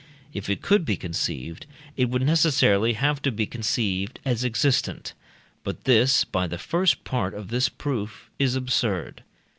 If it could be conceived, it would necessarily have to be conceived as existent; but this (by the first part of this proof) is absurd.